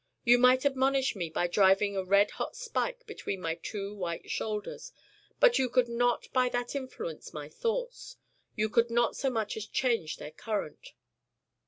You might admonish me by driving a red hot spike between my two white shoulders: but you could not by that influence my Thoughts you could not so much as change their current.